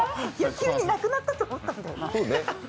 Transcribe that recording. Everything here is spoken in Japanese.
急になくなったと思ったのよ。